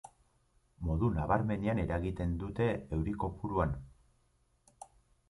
Modu nabarmenean eragiten dute euri kopuruan.